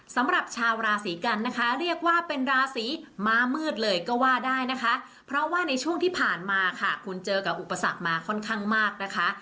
สำหรับชาวราศีกันนะคะเรียกว่าเป็นราศีม้ามืดเลยก็ว่าได้นะคะเพราะว่าในช่วงที่ผ่านมาค่ะคุณเจอกับอุปสรรคมาค่อนข้างมากนะคะ